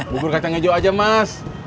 bubur kacang hijau aja mas